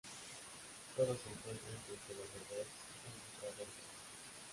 Sólo se encuentran con que los robots han entrado al refugio.